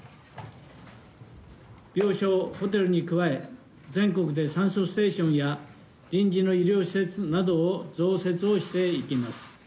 病床、ホテルに加え、全国で酸素ステーションや臨時の医療施設などを増設をしていきます。